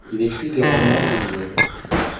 Il écrit des romans et des nouvelles.